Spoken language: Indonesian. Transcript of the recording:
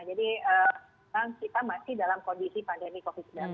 jadi sekarang kita masih dalam kondisi pandemi covid sembilan belas